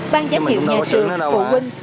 ban giám hiệu nhà trường phụ huynh